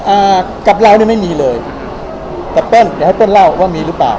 อ่ากับเราเนี่ยไม่มีเลยแต่เป้นอย่าให้เป้นเล่าว่ามีรึเปล่า